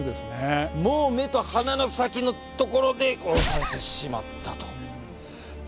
もう目と鼻の先のところで殺されてしまったと。